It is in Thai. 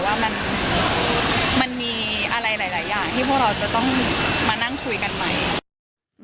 ว่ามันมีอะไรหลายอย่างที่พวกเราจะต้องมานั่งคุยกันใหม่